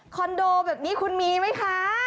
โดแบบนี้คุณมีไหมคะ